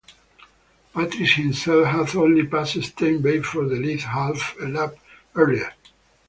Patrese himself had only passed Tambay for the lead half a lap earlier.